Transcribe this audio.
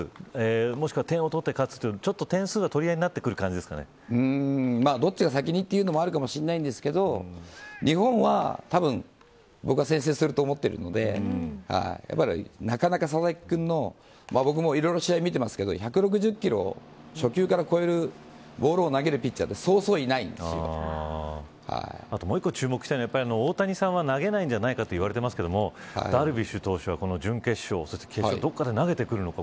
もしくは点を取って勝つと点数の取り合いになってくるどっちが先に、というのもあるかもしれませんが日本は、僕は先制すると思っているのでなかなか、佐々木君の僕も、いろいろ試合見てますけど１６０キロを初球から超えるボールを投げるピッチャーってあともう一つ注目したいのは大谷さんは投げないんじゃないかと言われてますがダルビッシュ投手は準決勝決勝のところで投げてくるのか。